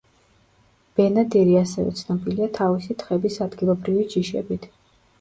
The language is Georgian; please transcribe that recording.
ბენადირი ასევე ცნობილია თავისი თხების ადგილობრივი ჯიშებით.